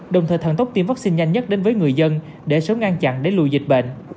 đồng thời thần tốc tiêm vaccine nhanh nhất đến với người dân để sớm ngăn chặn để lùi dịch bệnh